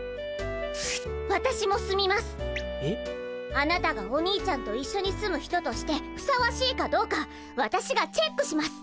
あなたがお兄ちゃんと一緒に住む人としてふさわしいかどうかわたしがチェックします！